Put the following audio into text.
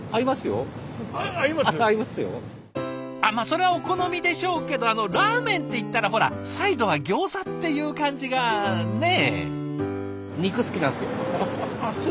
それはお好みでしょうけどあのラーメンっていったらほらサイドはギョーザっていう感じがね。